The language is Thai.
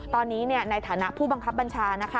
ตอนนี้ในฐานะผู้บังคับบัญชา